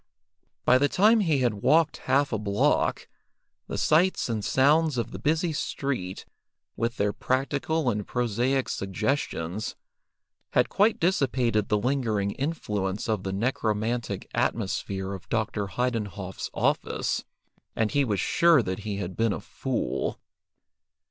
By the time he had walked half a block, the sights and sounds of the busy street, with their practical and prosaic suggestions, had quite dissipated the lingering influence of the necromantic atmosphere of Dr. Heidenhoff's office, and he was sure that he had been a fool.